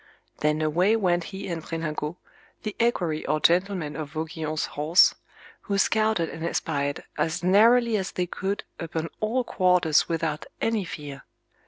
Then away went he and Prelingot, the equerry or gentleman of Vauguyon's horse, who scouted and espied as narrowly as they could upon all quarters without any fear.